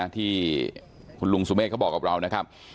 ที่คุณลุงสุเมฆเขาบอกกับเรานะครับ